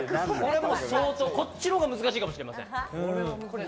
こっちのほうが難しいかもしれません。